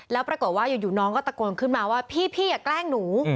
แล้วปรากฏว่าอยู่น้องก็ตะโกนขึ้นมาว่าพี่อย่าแกล้งหนู